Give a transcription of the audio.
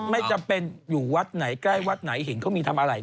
ไม่จำเป็นอยู่วัดไหนใกล้วัดไหนเห็นเขามีทำอะไร